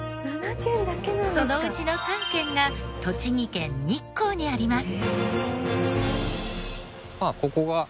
そのうちの３軒が栃木県日光にあります。